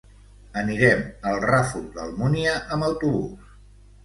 Anirem al Ràfol d'Almúnia amb autobús.